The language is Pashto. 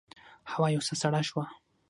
هوا یو څه سړه شوه.